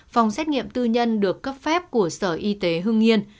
phòng xét nghiệm tư nhân được cấp phép của sở y tế hương yên